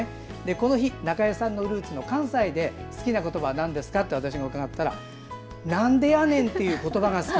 この日中江さんのルーツの関西で好きな言葉はなんですかと私が伺ったらなんでやねんっていう言葉が好き。